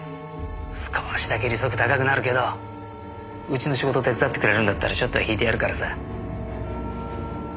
少しだけ利息高くなるけどうちの仕事手伝ってくれるんだったらちょっとは引いてやるからさ。